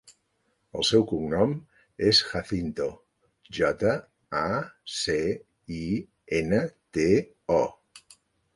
El seu cognom és Jacinto: jota, a, ce, i, ena, te, o.